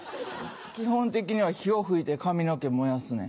基本的には火を噴いて髪の毛燃やすねん。